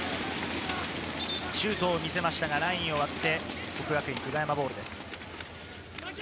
シュートを見せましたが、ラインを割って、國學院久我山ボールです。